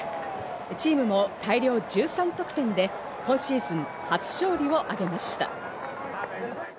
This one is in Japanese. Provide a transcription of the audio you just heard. チームも大量１３得点で今シーズン初勝利を挙げました。